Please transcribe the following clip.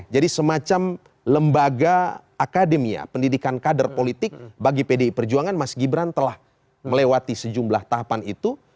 jadi semacam lembaga akademia pendidikan kader politik bagi pdi perjuangan mas gibran telah melewati sejumlah tahapan itu